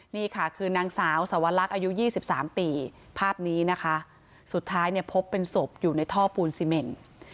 นี่ค่ะคือนางสาวสวรรคอายุ๒๓ปีภาพนี้นะคะสุดท้ายเนี่ยพบเป็นศพอยู่ในท่อปูนซีเมน